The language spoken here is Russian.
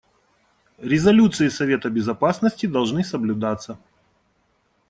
Резолюции Совета Безопасности должны соблюдаться.